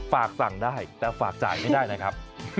ฝากสั่งได้แต่ฝากจ่ายไม่ได้นะครับ